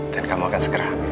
dan kamu akan segera habis